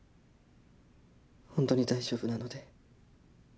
ホントに大丈夫なので。